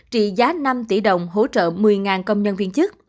trị giá năm tỷ đồng hỗ trợ một mươi công nhân viên chức